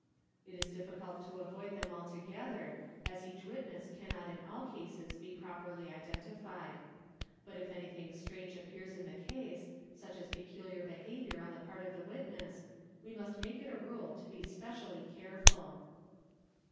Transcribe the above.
It is difficult to avoid them altogether, as each witness cannot in all cases be properly identified. But if anything strange appears in the case, such as peculiar behaviour on the part of the witness, we must make it a rule to be specially careful.